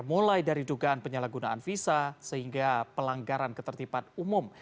mulai dari dugaan penyalahgunaan visa sehingga pelanggaran ketertiban umum